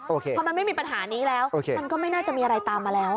พอมันไม่มีปัญหานี้แล้วมันก็ไม่น่าจะมีอะไรตามมาแล้ว